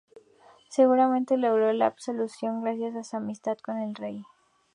Seguramente logró la absolución gracias a su amistad con el rey.